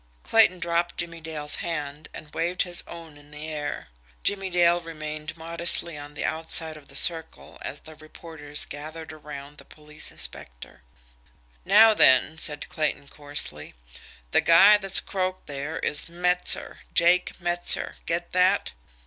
Clayton dropped Jimmie Dale's hand, and waved his own in the air. Jimmie Dale remained modestly on the outside of the circle as the reporters gathered around the police inspector. "Now, then," said Clayton coarsely, "the guy that's croaked there is Metzer, Jake Metzer. Get that?"